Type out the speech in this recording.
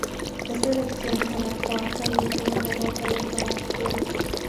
Esta elección fue la cuarta y última derrota electoral de Peres.